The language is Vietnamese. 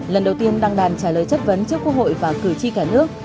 lần đầu tiên đăng đàn trả lời chất vấn trước quốc hội và cử tri cả nước